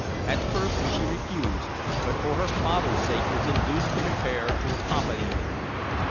At first she refused, but for her father's sake was induced to prepare to accompany him.